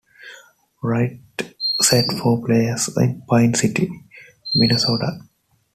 Wright set four plays in Pine City, Minnesota.